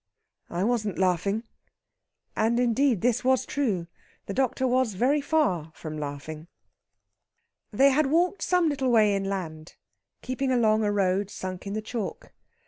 "I wasn't laughing." And, indeed, this was true. The doctor was very far from laughing. They had walked some little way inland, keeping along a road sunk in the chalk.